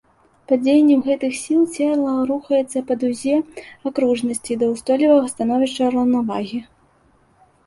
Пад дзеяннем гэтых сіл цела рухаецца па дузе акружнасці да ўстойлівага становішча раўнавагі.